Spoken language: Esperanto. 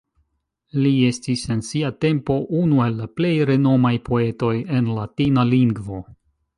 Li estis en sia tempo unu el la plej renomaj poetoj en latina lingvo.